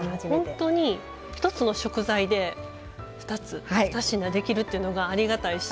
ほんとに１つの食材で２つ２品できるっていうのがありがたいし。